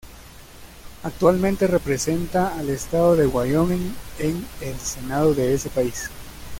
Actualmente representada al estado de Wyoming en el Senado de ese país.